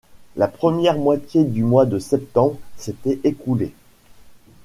La première moitié du mois de septembre s’était écoulée.